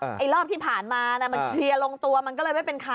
ไอ้รอบที่ผ่านมาน่ะมันเคลียร์ลงตัวมันก็เลยไม่เป็นข่าว